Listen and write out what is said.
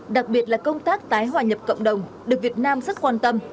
đặc biệt là công tác tái hòa nhập cộng đồng được việt nam rất quan tâm